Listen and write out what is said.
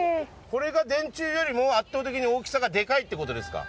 これが電柱よりも圧倒的に大きさがでかいっていう事ですか？